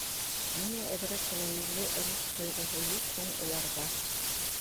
Ниңә әҙерәк кенә милли рух тойғоһо юҡ һуң уларҙа?